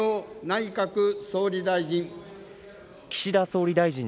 内閣総理大臣。